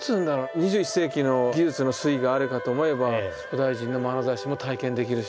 ２１世紀の技術の粋があるかと思えば古代人のまなざしも体験できるし。